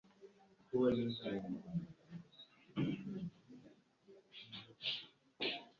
Mu katundu akalala mubeeramu mboozi nnyimpi.